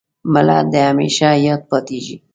مړه د همېشه یاد پاتېږي